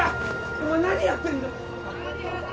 お前何やってんだよ